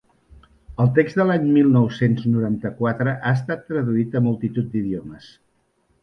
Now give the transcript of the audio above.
El text de l’any mil nou-cents noranta-quatre ha estat traduït a multitud d’idiomes.